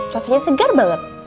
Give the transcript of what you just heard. rasanya segar banget